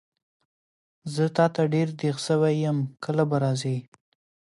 زه تاته ډېر دیغ سوی یم کله به راځي؟